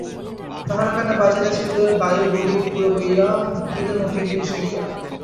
তাহার কানে বাজিতেছিল- বায়ু বহীঁ পুরবৈঞা, নীদ নহিঁ বিন সৈঞা।